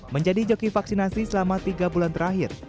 menjadi joki vaksinasi selama tiga bulan terakhir